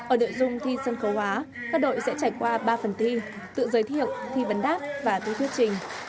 ở nội dung thi sân khấu hóa các đội sẽ trải qua ba phần thi tự giới thiệu thi vấn đáp và thi thuyết trình